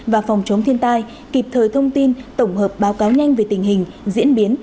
và phòng chống thiên tai kịp thời thông tin tổng hợp báo cáo nhanh về tình hình diễn biến